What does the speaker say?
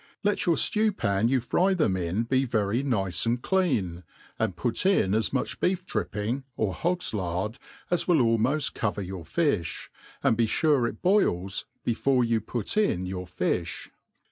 Let your ftew pan you fry them in be very nice and clean, and put in as much beef« dripping, or hogVlard, as will almoft cover yourfilh; and be fure it boils before you put in your fifli.